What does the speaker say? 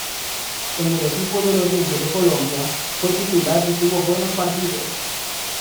En el equipo del oriente de Colombia, fue titular y tuvo buenos partidos.